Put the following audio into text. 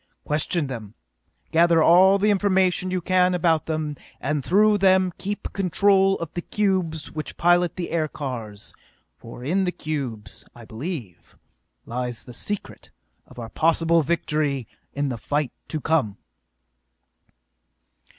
Question them, gather all the information you can about them, and through them keep control of the cubes which pilot the aircars, for in the cubes, I believe, lies the secret of our possible victory in the fight to come!"